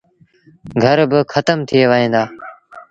گھر با کتم ٿئي وهيݩ دآ۔